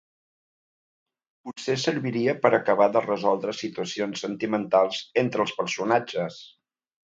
Potser serviria per acabar de resoldre situacions sentimentals entre els personatges.